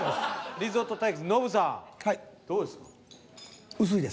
リゾット対決ノブさんどうです？